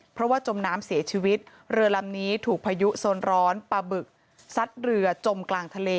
เพราะว่าจมน้ำเสียชีวิตเรือลำนี้ถูกพายุโซนร้อนปลาบึกซัดเรือจมกลางทะเล